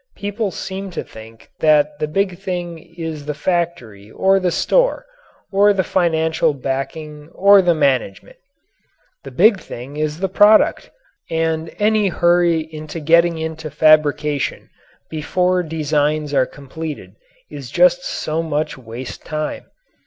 People seem to think that the big thing is the factory or the store or the financial backing or the management. The big thing is the product, and any hurry in getting into fabrication before designs are completed is just so much waste time.